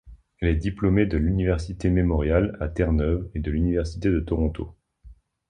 Elle est diplômée de l’Université Memorial à Terre-Neuve et de l’Université de Toronto.